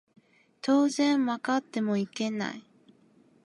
当然曲がってもいけない